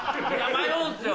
迷うんすよ。